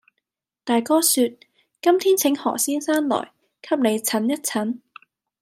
大哥説，「今天請何先生來，給你診一診。」